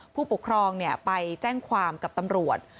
ผู้ปกครองไปแจ้งความกับตำรวจ